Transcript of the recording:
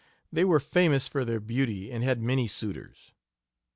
They were famous for their beauty and had many suitors."